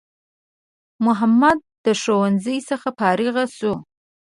محمد د ښوونځی څخه فارغ سو